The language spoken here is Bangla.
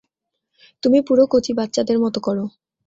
তুমি পুরো কচি বাচ্চাদের মতো করো।